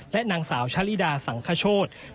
และนางสาวชะลิดาสังคโชธ